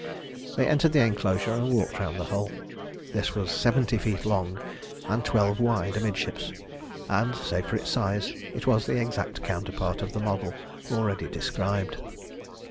They entered the enclosure and walked round the hull. This was seventy feet long and twelve wide amidships, and save for size it was the exact counterpart of the model already described.